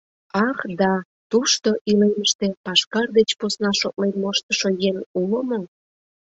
Ах, да, тушто, илемыште, пашкар деч посна шотлен моштышо еҥ уло мо?